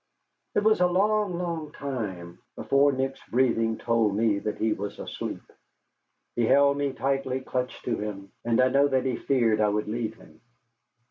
It was a long, long time before Nick's breathing told me that he was asleep. He held me tightly clutched to him, and I know that he feared I would leave him.